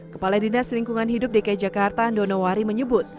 kepala dinas lingkungan hidup dki jakarta ando nowari menyebut